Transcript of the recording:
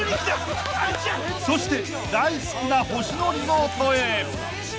［そして大好きな星野リゾートへ］